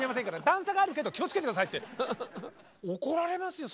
段差があるけど気をつけて下さい」って怒られますよ